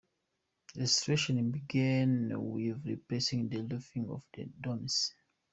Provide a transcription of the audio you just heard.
Restoration began with replacing the roofing of the domes.